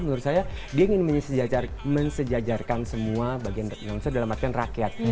menurut saya dia ingin mensejajarkan semua bagian indonesia dalam artian rakyat